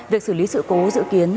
việc xử lý sự cố dự kiến